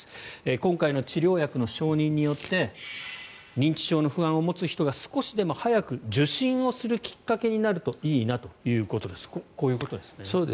今回の治療薬の承認によって認知症の不安を持つ人が少しでも早く受診をするきっかけになればいいなとこういうことですね。